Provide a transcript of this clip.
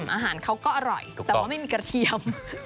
อาหารเขาก็อร่อยแต่ว่าไม่มีกระเทียม